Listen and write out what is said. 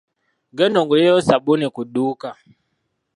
Genda ongulireyo ssabuuni ku dduuka.